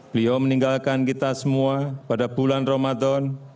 beliau meninggalkan kita semua pada bulan ramadan